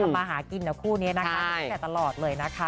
มาหากินกับคู่นี้นะคะ